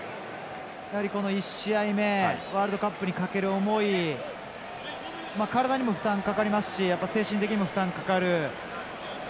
１試合目ワールドカップにかける思い体にも負担かかりますし精神的にも負担かかる。